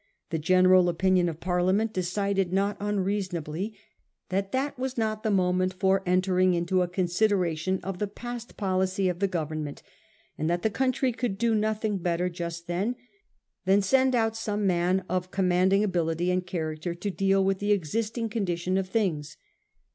The general opinion of Parliament decided not unreason ably that that was not the moment for entering into a consideration of the past policy of the Government, and that the country could do nothing better just then than send out some man of commanding ability and character to deal with the existing condition of things.